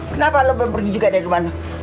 kenapa lo belum pergi juga dari rumah lo